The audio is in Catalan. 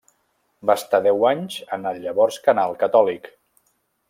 Va estar deu anys en el llavors canal catòlic.